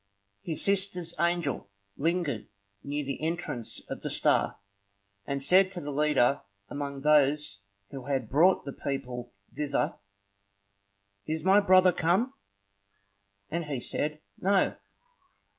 His sister's angel lingered near the entrance of the star, and said to the leader among those who had brought the people thither,— "Is my brother come?" And he said, "No."